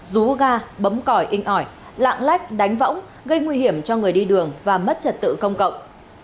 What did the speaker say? rú ga bấm còi inh ỏi lạng lách đánh võng gây nguy hiểm cho người đi đường và mất trật tự công cộng